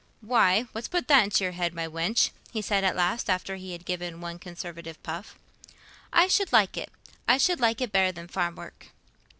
"Why, what's put that into your head, my wench?" he said at last, after he had given one conservative puff. "I should like it—I should like it better than farm work."